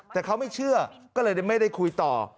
แต่เขาไม่เชื่อก็เลยไม่ได้คุยต่อ